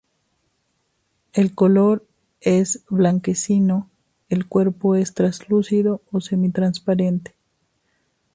El color es blanquecino, el cuerpo es translúcido o semitransparente.